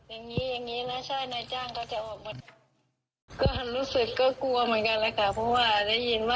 อย่างงี้อย่างงี้นะใช่นายจ้างเขาจะออกหมด